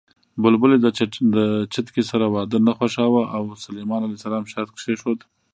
بلبلې د چتکي سره واده نه خوښاوه او سلیمان ع شرط کېښود